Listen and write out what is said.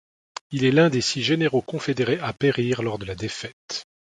Il est l'un des six généraux confédérés à périr lors de la défaite.